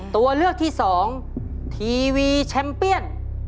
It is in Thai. ตัวเลือกที่สองทีวีแชมเปียน